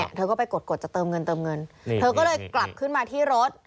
เธอก็ไปกดกดจะเติมเงินเติมเงินเธอก็เลยกลับขึ้นมาที่รถ